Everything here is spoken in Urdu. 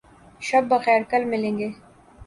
شب بخیر. کل ملیں گے